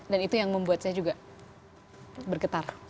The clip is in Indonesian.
dan itu yang membuat saya juga bergetar